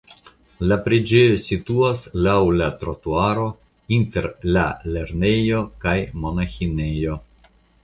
La preĝejo situas laŭ la trotuaro inter la lernejo kaj monaĥinejo.